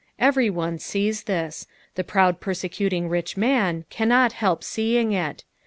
Every one sees this. The proud persecuting rich man cannot help seeing it.